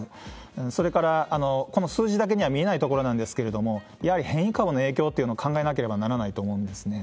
それから、この数字だけでは見えないところなんですけれども、やはり変異株の影響というのを考えなければならないと思うんですね。